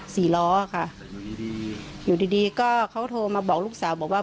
สี่ล้อค่ะอยู่ดีดีก็เขาโทรมาบอกลูกสาวบอกว่า